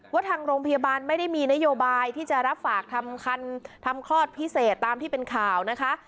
ว่าทางโรงพยาบาลไม่ได้มีนโยบายที่จะรับฝากทำคันทำคลอดพิเศษตามที่เป็นข่าวนะคะ